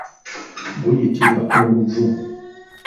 Guyitibwa oluvu.